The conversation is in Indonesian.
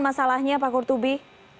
masalahnya pak gurtubi